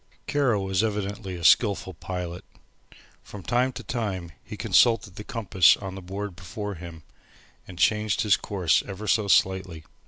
Kara was evidently a skilful pilot. From time to time he consulted the compass on the board before him, and changed his course ever so slightly.